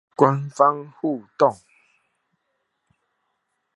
官方互動